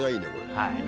はい。